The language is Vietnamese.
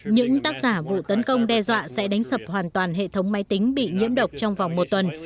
những tác giả vụ tấn công đe dọa sẽ đánh sập hoàn toàn hệ thống máy tính bị nhiễm độc trong vòng một tuần